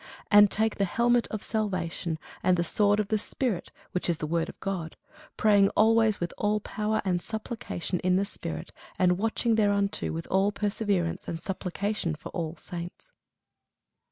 And take the helmet of salvation, and the sword of the Spirit, which is the word of God: praying always with all prayer and supplication in the Spirit, and watching thereunto with all perseverance and supplication for all saints.